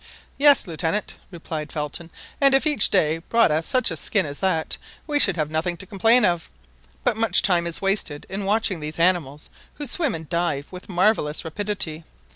"Yes, Lieutenant," replied Felton; "and if each day brought us such a skin as that, we should have nothing to complain of. But much time is wasted in watching these animals, who swim and dive with marvellous rapidity.